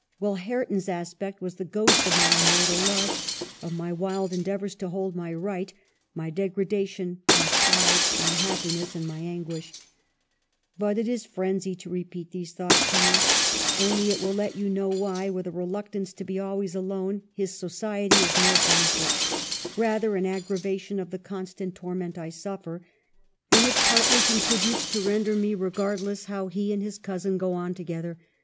Well, Hareton's aspect was the ghost of my immortal love ; of my wild endeavors to hold my right ; my degradation, my pride, my happiness, and my anguish —" But it is frenzy to repeat these thoughts to you : only it will let you know why, with a reluc tance to be always alone, his society is no benefit ; rather an aggravation of the constant torment I suffer ; and it partly contributes to render me regardless how he and his cousin go on together.